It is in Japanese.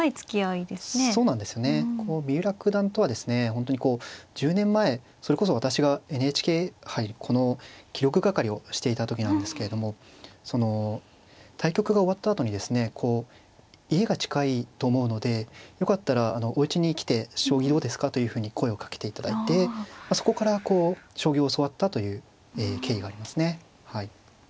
本当にこう１０年前それこそ私がＮＨＫ杯この記録係をしていた時なんですけれどもその対局が終わったあとにですね「家が近いと思うのでよかったらおうちに来て将棋どうですか」というふうに声をかけていただいてそこから将棋を教わったという経緯がありますね。